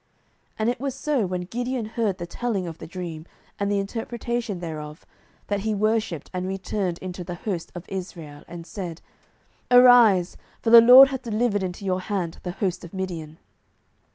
07:007:015 And it was so, when Gideon heard the telling of the dream, and the interpretation thereof, that he worshipped, and returned into the host of Israel, and said, Arise; for the LORD hath delivered into your hand the host of Midian.